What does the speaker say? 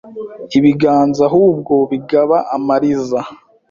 ibiganza hubwo bigaba amaliza